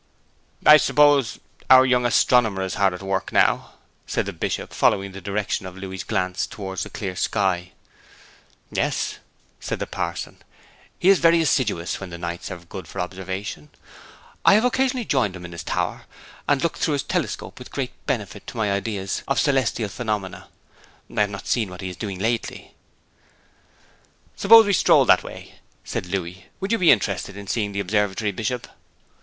'I suppose our young astronomer is hard at work now,' said the Bishop, following the direction of Louis's glance towards the clear sky. 'Yes,' said the parson; 'he is very assiduous whenever the nights are good for observation. I have occasionally joined him in his tower, and looked through his telescope with great benefit to my ideas of celestial phenomena. I have not seen what he has been doing lately.' 'Suppose we stroll that way?' said Louis. 'Would you be interested in seeing the observatory, Bishop?'